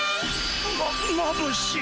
まっまぶしい。